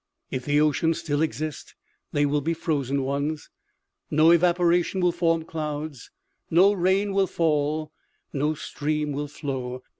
" If the oceans still exist they will be frozen ones, no evaporation will form clouds, no rain will fall, no stream will flow.